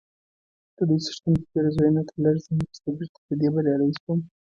د لوی څښتن په پېرزوینه تر لږ ځنډ وروسته بیرته په دې بریالی سوم،